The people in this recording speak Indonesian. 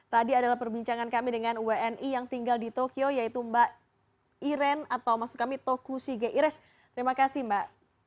tadi adalah perbincangan kami dengan wni yang tinggal di tokyo yaitu mbak iren atau maksud kami toku sige ires terima kasih mbak